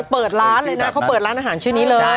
เปิดร้านเลยนะเขาเปิดร้านอาหารชื่อนี้เลย